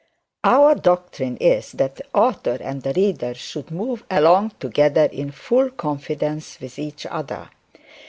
Our doctrine is, that the author and the reader should move along together in full confidence with each other.